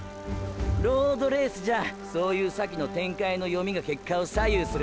ロードレースじゃそういう先の展開の読みが結果を左右する！！